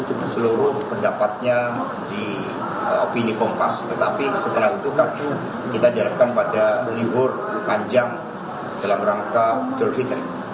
ibu megawati soekarno putri mengatakan bahwa diawal itu tidak berguna dengan opini pompas tetapi setelah itu kita diadakan pada libur panjang dalam rangka durvit